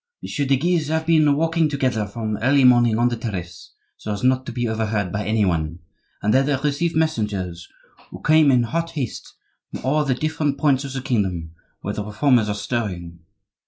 "Messieurs de Guise have been walking together from early morning on the terrace, so as not to be overheard by any one; and there they received messengers, who came in hot haste from all the different points of the kingdom where the Reformers are stirring.